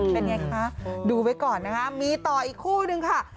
เป็นไงคะดูไว้ก่อนนะคะมีต่ออีกคู่นึงค่ะ